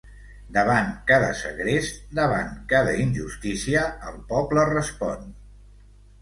Davant cada segrest, davant cada injustícia, el poble respon!